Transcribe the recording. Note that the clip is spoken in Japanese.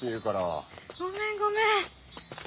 ごめんごめん。